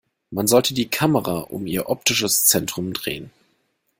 Man sollte die Kamera um ihr optisches Zentrum drehen.